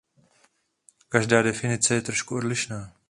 Každá definice je trochu odlišná.